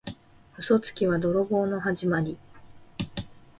嘘つきは泥棒のはじまり。